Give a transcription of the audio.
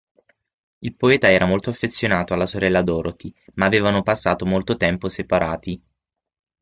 Il poeta era molto affezionato alla sorella Dorothy, ma avevano passato molto tempo separati.